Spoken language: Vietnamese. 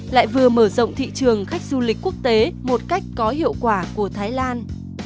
lại vừa mở rộng thị trường khách du lịch quốc tế một cách có hiệu quả của thái lan